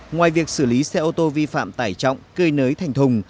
ngoài việc xử lý xe ô tô vi phạm tải trọng cơi nới thành thùng